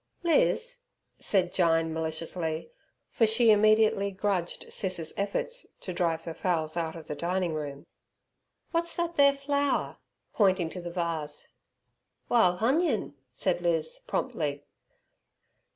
"Liz," said Jyne, maliciously, for she immediately grudged Sis's efforts to chase the fowls out of the dining room. "Wot's thet there flower?" pointing to the vase "Wile huniyon," said Liz, promptly.